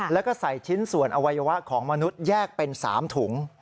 แล้วก็ใส่ชิ้นส่วนอวัยวะของมนุษย์แยกเป็น๓ถุง